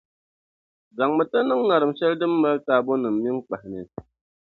zaŋmi tiniŋŋarim shεli din mali taabonim’ mini kpahi ni.